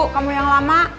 kamu yang lama